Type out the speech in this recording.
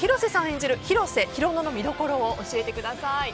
演じる広瀬裕乃の見どころを教えてください。